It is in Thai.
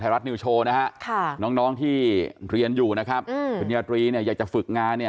เรียนอยู่นะครับปริญญาตรีอยากจะฝึกงาน